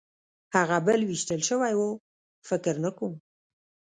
هغه بل وېشتل شوی و؟ فکر نه کوم.